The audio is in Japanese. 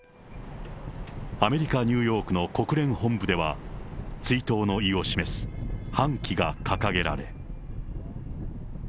アメリカ・ニューヨークの国連本部では、追悼の意を示す半旗が掲げられ。